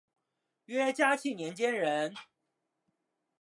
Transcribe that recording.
约嘉庆年间人。